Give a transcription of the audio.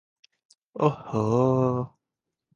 ଓହୋ!